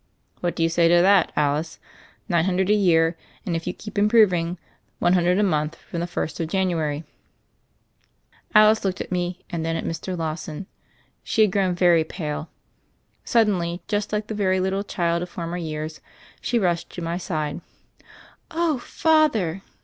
What do you say to that, Alice ? Nine hundred a year, and, if you keep improving, one hundred a month from the first of Jan uary ?" Alice looked at me and then at Mr. Lawson. She had grown very pale. Suddenly, just like the very little child or former years, she rushed to my side. "Oh, Father!"